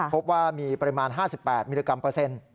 พบว่ามีประมาณ๕๘มิลลิกรัมเปอร์เซ็นต์